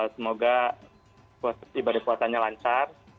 semoga ibadah puasanya lancar